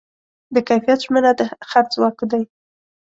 د کیفیت ژمنه د خرڅ ځواک دی.